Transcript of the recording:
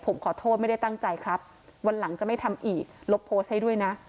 ผมขอโทษไม่ได้ตั้งใจครับวันหลังจะไม่ทำอีกลบโพสต์ให้ด้วยนะ